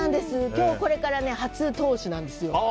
今日これから初通しなんですよ。